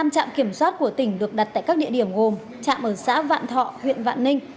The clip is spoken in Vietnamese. năm trạm kiểm soát của tỉnh được đặt tại các địa điểm gồm trạm ở xã vạn thọ huyện vạn ninh